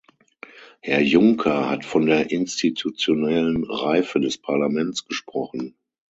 Herr Juncker hat von der institutionellen Reife des Parlaments gesprochen.